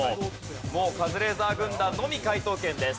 もうカズレーザー軍団のみ解答権です。